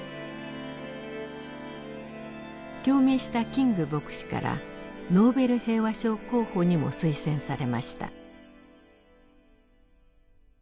共鳴したキング牧師からノーベル平和賞候補にも推薦されました。